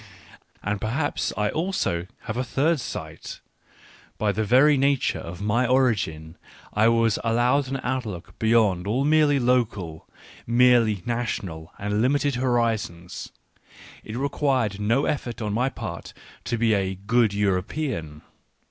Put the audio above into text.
And perhaps I also have a third sight. By the very nature of my origin I was allowed an outlook beyond all merely local, merely national and limited horizons ; it required no effort on my part to be a " good European."